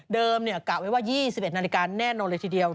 กะไว้ว่า๒๑นาฬิกาแน่นอนเลยทีเดียว